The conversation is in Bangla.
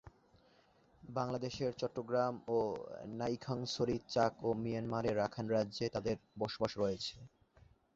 বাংলাদেশের চট্টগ্রাম, নাইক্ষ্যংছড়ি চাক ও মিয়ানমারের রাখাইন রাজ্যে তাদের বসবাস রয়েছে।